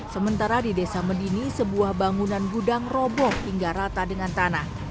sementara di desa medini sebuah bangunan gudang roboh hingga rata dengan tanah